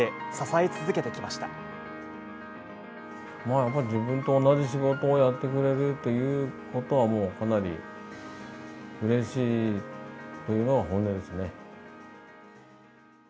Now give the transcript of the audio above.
やっぱり自分と同じ仕事をやってくれるということは、かなりうれしいというのが本音ですね。